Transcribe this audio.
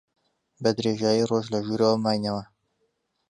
بە درێژایی ڕۆژ لە ژوورەوە ماینەوە.